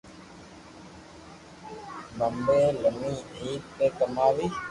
پسي امي عيد پي ڪماوي